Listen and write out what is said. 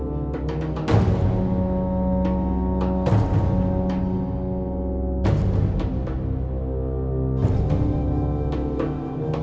เวลาที่จะพักกับเวลาที่จะพักกับเวลาท